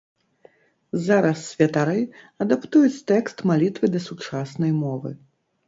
Зараз святары адаптуюць тэкст малітвы да сучаснай мовы.